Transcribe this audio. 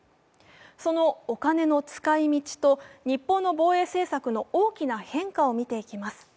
そのお金の使い道と、日本の防衛政策の大きな変化を見ていきます。